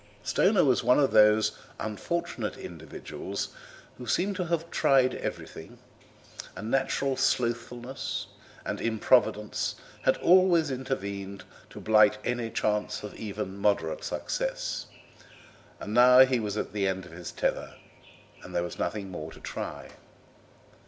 Stoner was one of those unfortunate individuals who seem to have tried everything; a natural slothfulness and improvidence had always intervened to blight any chance of even moderate success, and now he was at the end of his tether, and there was nothing more to try.